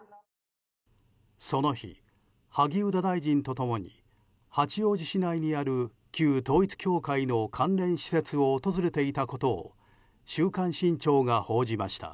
その日、萩生田大臣と共に八王子市内にある旧統一教会の関連施設を訪れていたことを「週刊新潮」が報じました。